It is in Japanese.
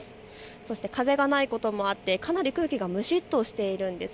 そして風がないこともあって、かなり空気が蒸しっとしているんです。